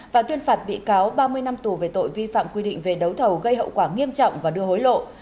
và tuyên phạt bị cáo ba mươi năm tù về tội vi phạm quy định về đấu thầu gây hậu quả nghiêm trọng và đưa hối lộ